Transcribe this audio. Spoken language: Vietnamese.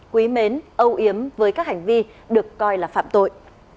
quý mến âu yếm với các hành vi được coi là phạm tội